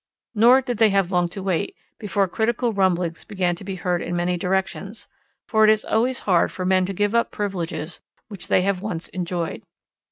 Nor did they have long to wait before critical rumblings began to be heard in many directions, for it is always hard for men to give up privileges which they have once enjoyed.